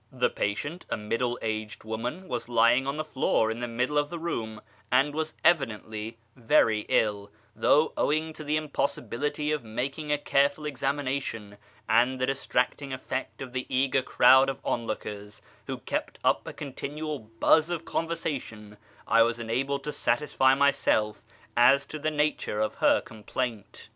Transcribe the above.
The patient, a middle aged woman, was lying on the floor in the middle of the room, and w^as evidently very ill ; though, owing to the impossibility of making a careful examination, and the distracting effect of the eager crowd of onlookers, who kept up a continual buzz of conversation, I was unable to satisfy myself as to the nature of her complaint.